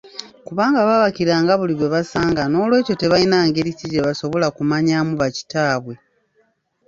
Kubanga baabakiranga buli gwe basanga noolwekyo tebalina ngeri gye basobola kumanyaamu bakitaabwe.